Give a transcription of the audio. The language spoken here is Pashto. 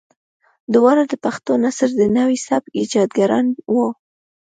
دواړه د پښتو نثر د نوي سبک ايجادګران وو.